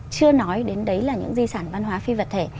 chưa nói đến đấy là những di sản văn hóa phi vật thể